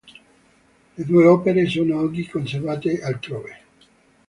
Le due opere sono oggi conservate altrove.